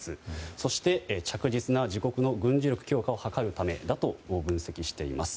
そして着実な自国の軍事力強化を図るためだと分析しています。